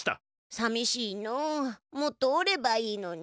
さみしいのうもっとおればいいのに。